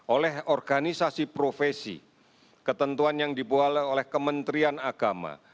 oleh organisasi profesi ketentuan yang dibuat oleh kementerian agama